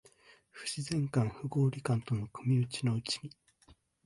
不自然感、不合理感との組打ちのうちに、